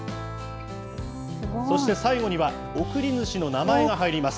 そして最後には、贈り主の名前が入ります。